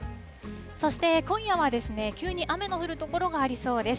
そして今夜はですね、急に雨の降る所がありそうです。